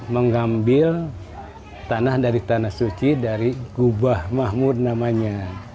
mengambil tanah dari tanah suci dari gubah mahmud namanya